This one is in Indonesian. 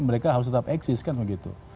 mereka harus tetap eksis kan begitu